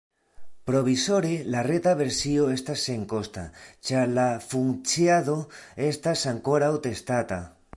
Provizore la reta versio estas senkosta, ĉar la funkciado estas ankoraŭ testata.